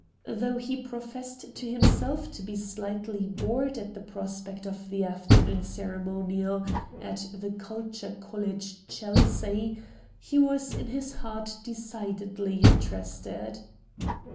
Though he professed to himself to be slightly bored at the prospect of the afternoon ceremonial at the Culture College, Chelsea, he was in his heart decidedly interested.